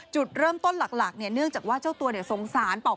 จุดเริ่มต้นหลักเนี่ยเนื่องจากว่าเจ้าตัวเนี่ยสงสารเป่า